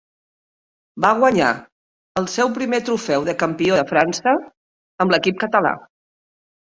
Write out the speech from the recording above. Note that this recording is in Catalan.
Va guanyar el seu primer trofeu de campió de França amb l'equip català.